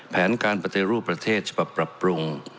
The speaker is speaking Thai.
แผนการปฏิรูปประเทศฉบับปรับปรุง